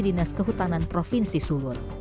dinas kehutanan provinsi sulut